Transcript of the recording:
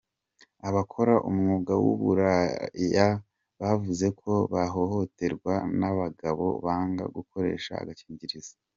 Abakora umwuga w’uburaya bavuze ko bahohoterwa n’abagabo banga gukoresha agakingirizo